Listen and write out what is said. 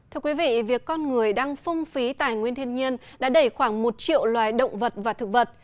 thưa quý vị việc con người đang phung phí tài nguyên thiên nhiên đã đẩy khoảng một triệu loài động vật và thực vật